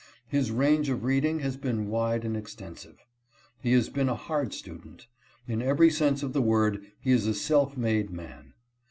His range of reading has been wide and extensive. He has been a hard student. In every sense of the word, he is a self made man.